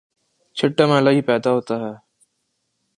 چھٹا مألہ یہ پیدا ہوتا ہے